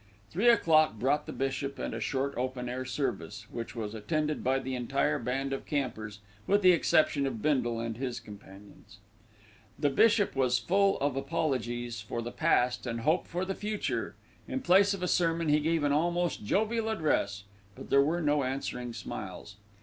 Three o'clock brought the bishop and a short open air service, which was attended by the entire band of campers, with the exception of Bindle and his companions. The bishop was full of apologies for the past and hope for the future. In place of a sermon he gave an almost jovial address; but there were no answering smiles.